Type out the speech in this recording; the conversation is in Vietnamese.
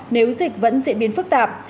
nếu dịch vẫn diễn biến phức tạp